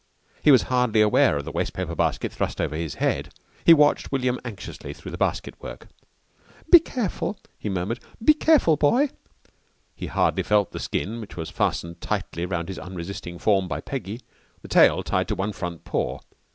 He was hardly aware of the wastepaper basket thrust over his head. He watched William anxiously through the basket work. "Be careful," he murmured. "Be careful, boy!" He hardly felt the skin which was fastened tightly round his unresisting form by Peggy, the tail tied to one front paw.